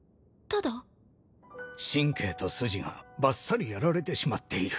神経と筋がばっさりやられてしまっている。